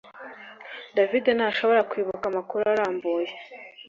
David ntashobora kwibuka amakuru arambuye